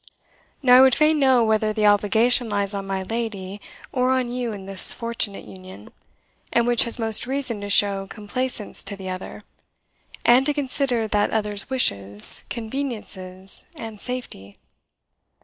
Now I would fain know whether the obligation lies on my lady or on you in this fortunate union, and which has most reason to show complaisance to the other, and to consider that other's wishes, conveniences, and safety?"